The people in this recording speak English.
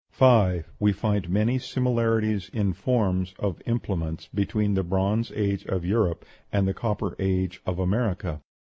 5. We find many similarities in forms of implements between the Bronze Age of Europe and the Copper Age of America.